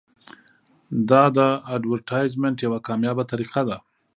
دا د اډورټایزمنټ یوه کامیابه طریقه ده.